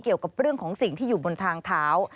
เกี่ยวกับเรื่องของสิ่งที่อยู่บนทางเท้า